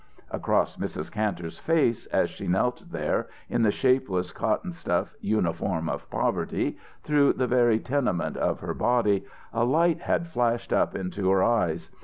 Across Mrs. Kantor's face as she knelt there in the shapeless cotton stuff uniform of poverty, through the very tenement of her body, a light had flashed up into her eyes.